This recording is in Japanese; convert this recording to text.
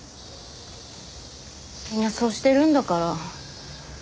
みんなそうしてるんだから。